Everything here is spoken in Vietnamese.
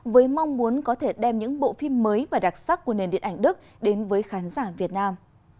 với mong muốn có thể đem những bộ phim mới và đặc sắc của nền điện ảnh đức đến với khán giả việt nam